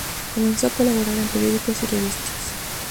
Comenzó a colaborar en periódicos y revistas.